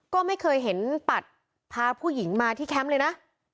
ก็ไม่เคยเห็นปัดพาผู้หญิงมาที่แคมป์เลยนะ